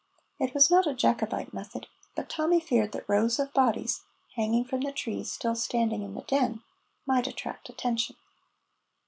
It was not a Jacobite method, but Tommy feared that rows of bodies, hanging from the trees still standing in the Den, might attract attention.